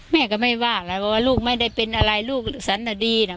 แม่ก็ไม่ว่าว่าลูกไม่ได้เป็นอะไรลูกสนดีน่ะ